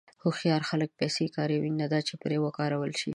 هوښیار خلک پیسې کاروي، نه دا چې پرې وکارول شي.